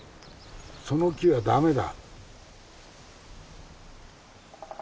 その木は駄目だ。